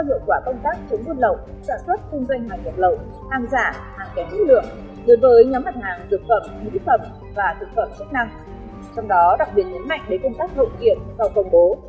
để công tác hậu kiện sau công bố